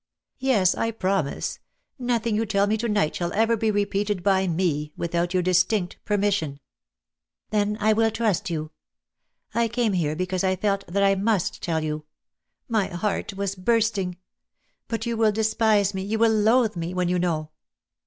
"Yes, I promise. Nothing you tell me to night shall ever be repeated by me, without your distinct permission." "Then I will trust you. I came here because I felt that I must tell you. My heart was bursting. But you \vill despise me — you will loathe me, when you know."